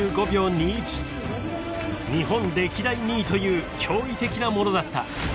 ［日本歴代２位という驚異的なものだった］